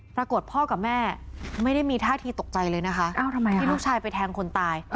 ปรากฏพ่อกับแม่ไม่ได้มีท่าทีตกใจเลยนะคะที่ลูกชายไปแทงคนตาย